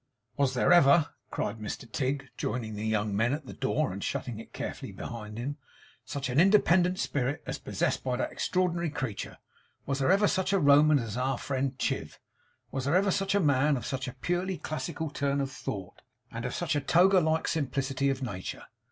'Was there ever,' cried Mr Tigg, joining the young men at the door, and shutting it carefully behind him, 'such an independent spirit as is possessed by that extraordinary creature? Was there ever such a Roman as our friend Chiv? Was there ever a man of such a purely classical turn of thought, and of such a toga like simplicity of nature?